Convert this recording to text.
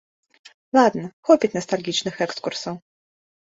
Ладна, хопіць настальгічных экскурсаў.